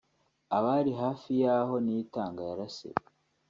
abari hafi yaho Niyitanga yarasiwe